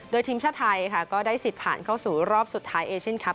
โดยทีมชาติไทยค่ะก็ได้สิทธิ์ผ่านเข้าสู่รอบสุดท้ายเอเชียนคลับ